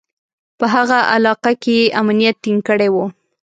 په هغه علاقه کې یې امنیت ټینګ کړی و.